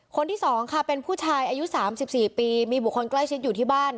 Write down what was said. คนที่๒ค่ะเป็นผู้ชายอายุ๓๔ปีมีบุคคลใกล้ชิดอยู่ที่บ้าน